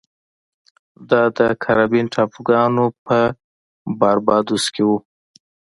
دا د کارابین ټاپوګانو په باربادوس کې و.